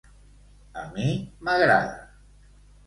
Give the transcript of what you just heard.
A mi m'agrada.